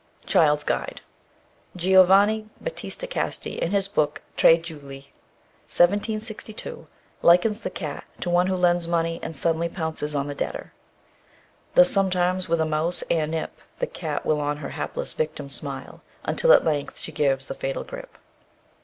Child's Guide. Giovanni Batista Casti, in his book, "Tre Giuli" (1762), likens the cat to one who lends money, and suddenly pounces on the debtor: Thus sometimes with a mouse, ere nip, The cat will on her hapless victim smile, Until at length she gives the fatal grip.